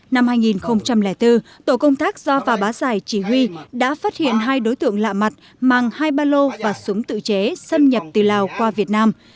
năm hai nghìn bốn tổ công tác do phà bá giải chỉ huy đã phát hiện hai đối tượng lạ mặt mang hai ba lô và súng tự chế xâm nhập từ lào qua việt nam